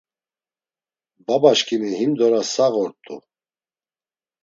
Babaşǩimi himdora sağ’ort̆u.